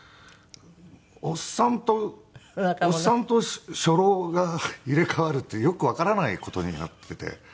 おっさんとおっさんと初老が入れ替わるっていうよくわからない事になっていて。